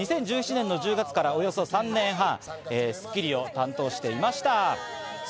２０１７年の１０月から、およそ３年、『スッキリ』を担当していました。